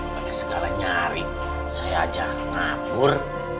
pada segala nyari saya ajak ngapur